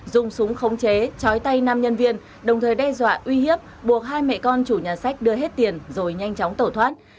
dùng súng khống chế chói tay năm nhân viên đồng thời đe dọa uy hiếp buộc hai mẹ con chủ nhà sách đưa hết tiền rồi nhanh chóng tẩu thoát